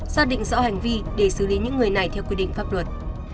xác định rõ hành vi để xử lý những người này theo quy định pháp luật